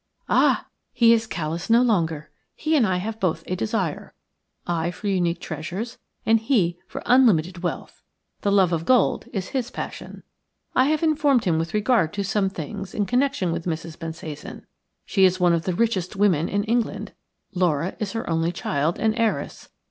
"Ah! he is callous no longer. He and I have both a desire, I for unique treasures and he for unlimited wealth. The love of gold is his passion. I have informed him with regard to some things in connection with Mrs. Bensasan. She is one of the richest women in England; Laura is her only child and heiress.